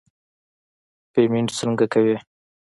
پیمنټ څنګه کوې.